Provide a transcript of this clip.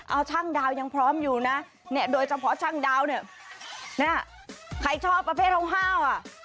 เอาช่างดาวยังพร้อมอยู่นะเนี่ยโดยเฉพาะช่างดาวเนี่ยใครชอบประเภทห้าวอ่ะ